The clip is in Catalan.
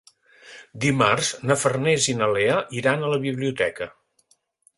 Dimarts na Farners i na Lea iran a la biblioteca.